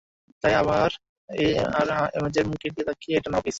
তাই আমার আর এমজের মুখের দিকে তাকিয়ে এটা নাও, প্লিজ।